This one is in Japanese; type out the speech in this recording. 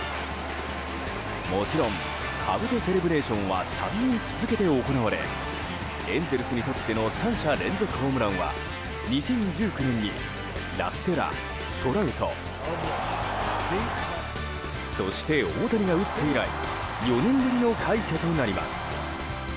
もちろんかぶとセレブレーションは３人続けて行われエンゼルスにとっての３者連続ホームランは２０１９年にラステラ、トラウトそして大谷が打って以来４年ぶりの快挙となります。